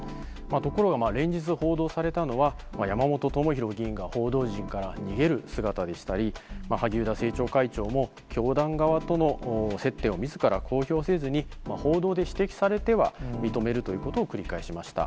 ところが、連日報道されたのは、山本朋広議員が報道陣から逃げる姿でしたり、萩生田政調会長も、教団側との接点をみずから公表せずに、報道で指摘されては認めるということを繰り返しました。